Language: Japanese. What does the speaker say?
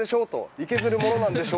いけてるものなんでしょ